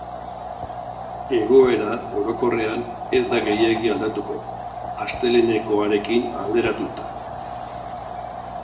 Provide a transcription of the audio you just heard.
Egoera, orokorrean, ez da gehiegi aldatuko, astelehenekoarekin alderatuta.